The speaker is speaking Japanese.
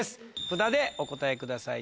札でお答えください